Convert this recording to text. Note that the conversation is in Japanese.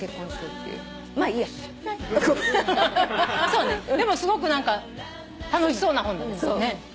そうねでもすごく何か楽しそうな本だね。